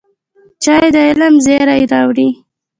چای د علم زېری راوړي